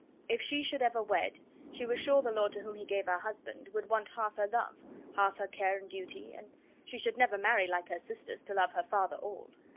If she should ever wed, she was sure the lord to whom she gave her husband would want half her love, half of her care and duty; she should never marry like her sisters, to love her father all.